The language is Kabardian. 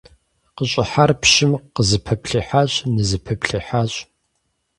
КъыщӀыхьар пщым къызэпиплъыхьащ, нызэпиплъыхьащ.